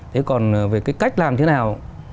thế còn về cái cách làm thế nào